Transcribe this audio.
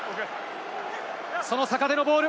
その坂手のボール。